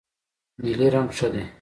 نیلی رنګ ښه دی.